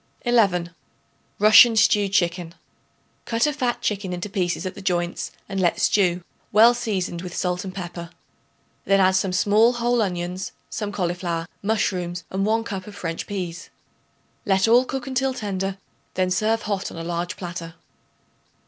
11. Russian Stewed Chicken. Cut a fat chicken into pieces at the joints and let stew, well seasoned with salt and pepper. Then add some small whole onions, some cauliflower, mushrooms and 1 cup of French peas. Let all cook until tender; then serve hot on a large platter.